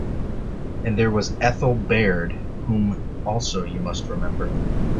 And there was Ethel Baird, whom also you must remember.